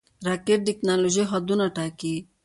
راکټ د ټېکنالوژۍ حدونه ټاکي